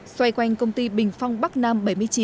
xoay quanh công ty bình phong bắc nam bảy mươi chín